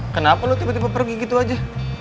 kenapa lo tiba tiba pergi gitu aja